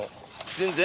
全然？